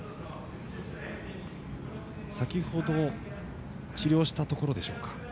先ほど治療したところでしょうか。